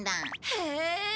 へえ！